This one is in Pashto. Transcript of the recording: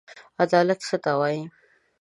عدالت څه ته وايي؟